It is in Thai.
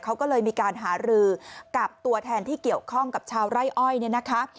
เขาก็เลยมีการหารือกับตัวแทนที่เกี่ยวข้องกับชาวไร่อ้อยเนี่ยนะคะ